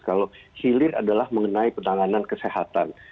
kalau hilir adalah mengenai penanganan kesehatan